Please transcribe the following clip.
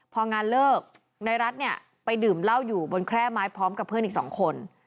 พองานเลิกในรัฐเนี่ยไปดื่มเหล้าอยู่บนแคร่ไม้พร้อมกับเพื่อนอีกสองคน